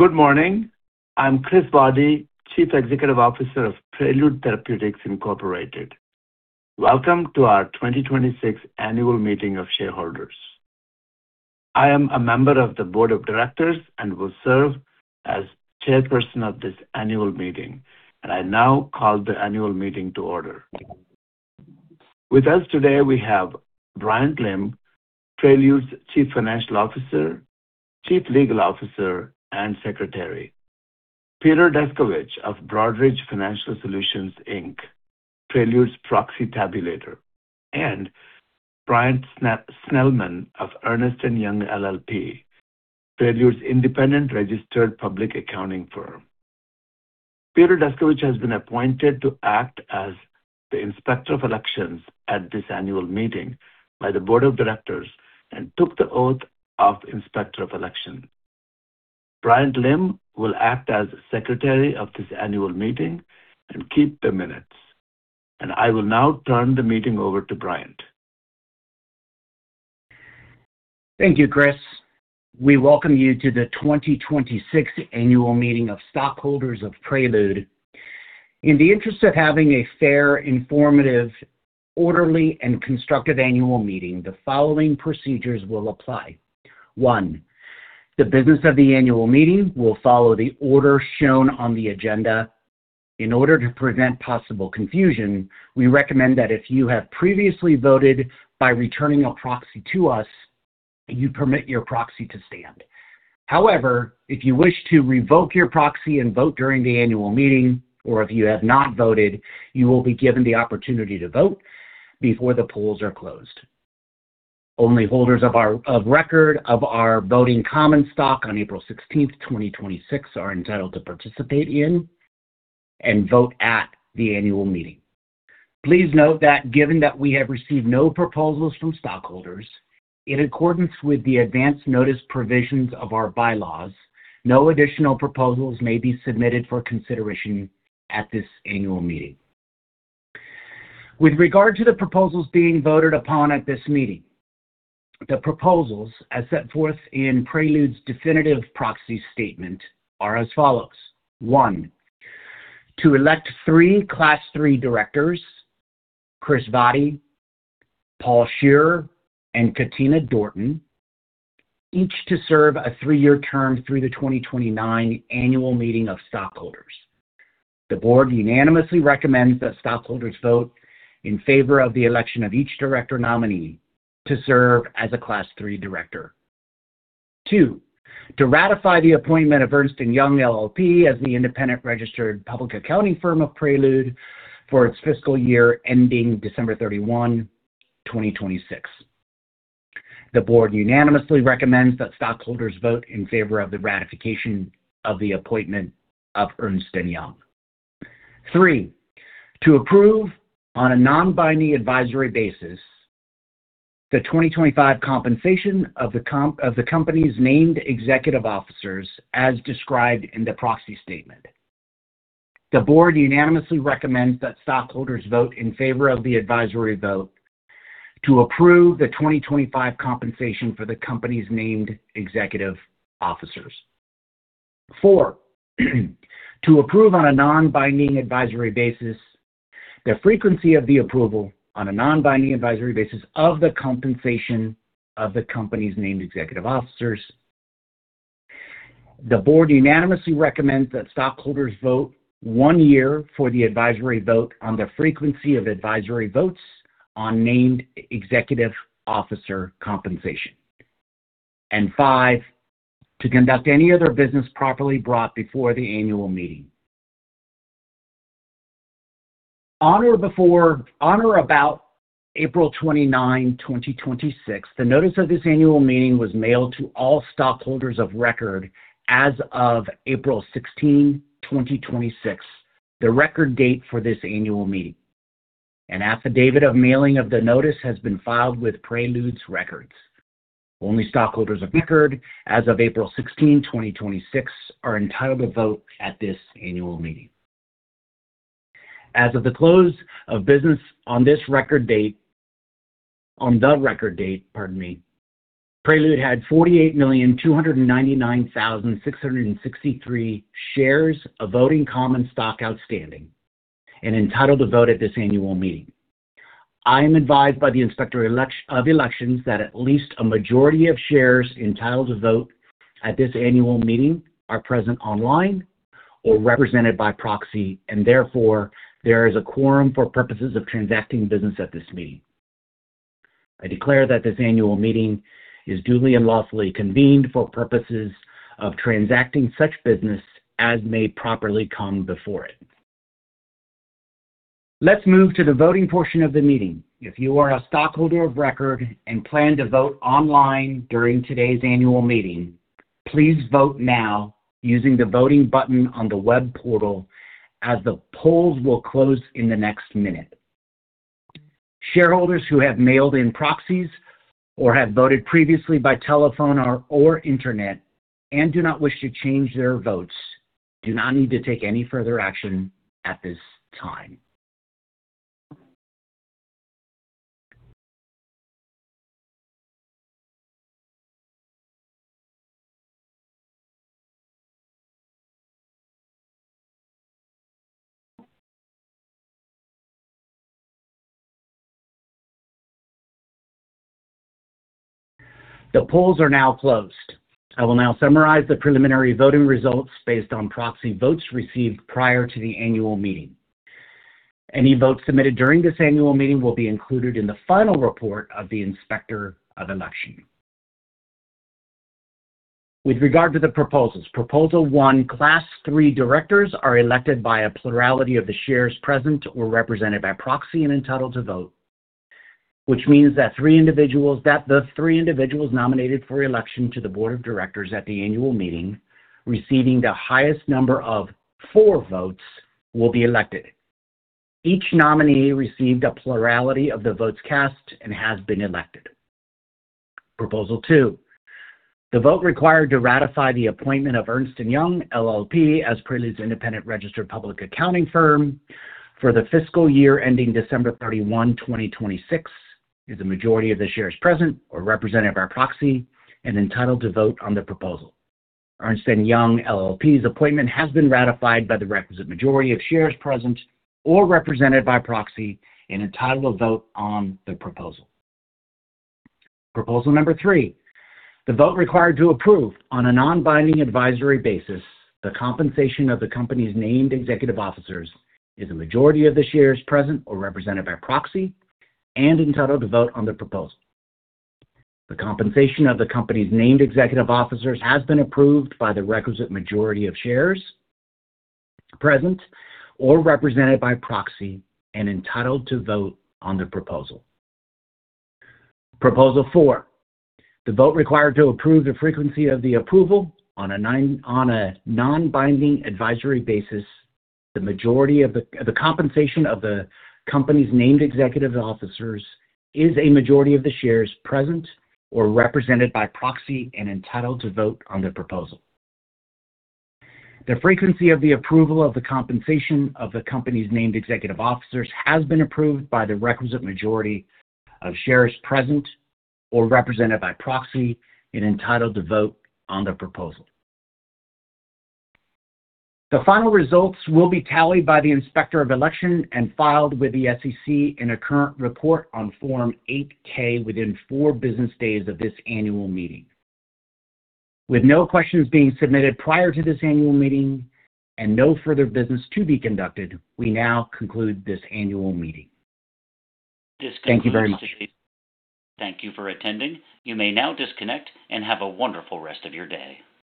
Good morning. I'm Kris Vaddi, Chief Executive Officer of Prelude Therapeutics Incorporated. Welcome to our 2026 Annual Meeting of Shareholders. I am a member of the Board of Directors and will serve as Chairperson of this annual meeting. I now call the annual meeting to order. With us today, we have Bryant Lim, Prelude's Chief Financial Officer, Chief Legal Officer, and Secretary. Peter Descovich of Broadridge Financial Solutions Inc., Prelude's proxy tabulator, and Bryan Snellman of Ernst & Young LLP, Prelude's independent registered public accounting firm. Peter Descovich has been appointed to act as the Inspector of Elections at this annual meeting by the Board of Directors and took the oath of Inspector of Election. Bryant Lim will act as Secretary of this annual meeting and keep the minutes. I will now turn the meeting over to Bryant. Thank you, Kris. We welcome you to the 2026 Annual Meeting of Stockholders of Prelude. In the interest of having a fair, informative, orderly, and constructive annual meeting, the following procedures will apply. One, the business of the annual meeting will follow the order shown on the agenda. In order to prevent possible confusion, we recommend that if you have previously voted by returning a proxy to us, you permit your proxy to stand. However, if you wish to revoke your proxy and vote during the annual meeting, or if you have not voted, you will be given the opportunity to vote before the polls are closed. Only holders of record of our voting common stock on April 16th, 2026, are entitled to participate in and vote at the annual meeting. Please note that given that we have received no proposals from stockholders, in accordance with the advance notice provisions of our bylaws, no additional proposals may be submitted for consideration at this annual meeting. With regard to the proposals being voted upon at this meeting, the proposals as set forth in Prelude's definitive proxy statement are as follows. One, to elect three Class III directors, Kris Vaddi, Paul Scherer, and Katina Dorton, each to serve a three-year term through the 2029 annual meeting of stockholders. The board unanimously recommends that stockholders vote in favor of the election of each director nominee to serve as a Class III director. Two, to ratify the appointment of Ernst & Young LLP as the independent registered public accounting firm of Prelude for its fiscal year ending December 31, 2026. The board unanimously recommends that stockholders vote in favor of the ratification of the appointment of Ernst & Young. Three, to approve on a non-binding advisory basis the 2025 compensation of the company's named executive officers as described in the proxy statement. The board unanimously recommends that stockholders vote in favor of the advisory vote to approve the 2025 compensation for the company's named executive officers. Four, to approve on a non-binding advisory basis the frequency of the approval on a non-binding advisory basis of the compensation of the company's named executive officers. The board unanimously recommends that stockholders vote one year for the advisory vote on the frequency of advisory votes on named executive officer compensation. Five, to conduct any other business properly brought before the annual meeting. On or about April 29, 2026, the notice of this annual meeting was mailed to all stockholders of record as of April 16, 2026, the record date for this annual meeting. An affidavit of mailing of the notice has been filed with Prelude's records. Only stockholders of record as of April 16, 2026, are entitled to vote at this annual meeting. As of the close of business on the record date, Prelude had 48,299,663 shares of voting common stock outstanding and entitled to vote at this annual meeting. I am advised by the Inspector of Elections that at least a majority of shares entitled to vote at this annual meeting are present online or represented by proxy, and therefore, there is a quorum for purposes of transacting business at this meeting. I declare that this annual meeting is duly and lawfully convened for purposes of transacting such business as may properly come before it. Let's move to the voting portion of the meeting. If you are a stockholder of record and plan to vote online during today's annual meeting, please vote now using the voting button on the web portal as the polls will close in the next minute. Shareholders who have mailed in proxies or have voted previously by telephone or Internet and do not wish to change their votes do not need to take any further action at this time. The polls are now closed. I will now summarize the preliminary voting results based on proxy votes received prior to the annual meeting. Any votes submitted during this annual meeting will be included in the final report of the Inspector of Election. With regard to the proposals, Proposal one, Class III directors are elected by a plurality of the shares present or represented by proxy and entitled to vote, which means that the three individuals nominated for election to the board of directors at the annual meeting receiving the highest number of four votes will be elected. Each nominee received a plurality of the votes cast and has been elected. Proposal two, the vote required to ratify the appointment of Ernst & Young LLP as Prelude's independent registered public accounting firm for the fiscal year ending December 31, 2026, is a majority of the shares present or represented by proxy and entitled to vote on the proposal. Ernst & Young LLP's appointment has been ratified by the requisite majority of shares present or represented by proxy and entitled to vote on the proposal. Proposal number three, the vote required to approve on a non-binding advisory basis the compensation of the company's named executive officers is a majority of the shares present or represented by proxy and entitled to vote on the proposal. The compensation of the company's named executive officers has been approved by the requisite majority of shares present or represented by proxy and entitled to vote on the proposal. Proposal four, the vote required to approve the frequency of the approval on a non-binding advisory basis, the compensation of the company's named executive officers is a majority of the shares present or represented by proxy and entitled to vote on the proposal. The frequency of the approval of the compensation of the company's named executive officers has been approved by the requisite majority of shares present or represented by proxy and entitled to vote on the proposal. The final results will be tallied by the Inspector of Election and filed with the SEC in a current report on Form 8-K within four business days of this annual meeting. With no questions being submitted prior to this annual meeting and no further business to be conducted, we now conclude this annual meeting. Thank you very much. Thank you for attending. You may now disconnect and have a wonderful rest of your day.